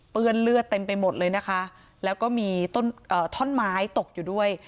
เลือดเต็มไปหมดเลยนะคะแล้วก็มีต้นท่อนไม้ตกอยู่ด้วย